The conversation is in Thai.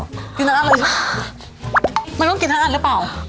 หยุดนิดขนหนุ่มกันเหรอ